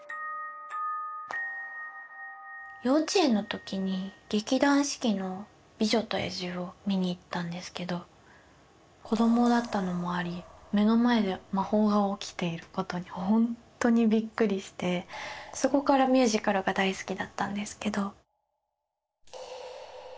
幼稚園の時に劇団四季の「美女と野獣」を見に行ったんですけど子供だったのもあり目の前で魔法が起きていることにほんとにびっくりしてそこからミュージカルが大好きだったんですけど。